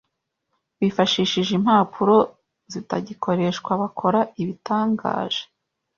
bifashishije impapuro zitagikoreshwa bakora ibitangaje